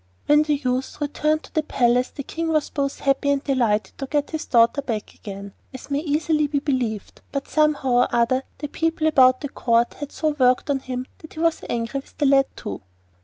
When the youth returned to the palace the King was both happy and delighted to get his daughter back again, as may easily be believed, but somehow or other the people about the Court had so worked on him that he was angry with the lad too.